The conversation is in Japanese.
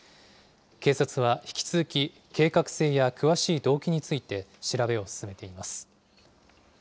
警察は引き続き、計画性や詳しい動機について調べを進めています。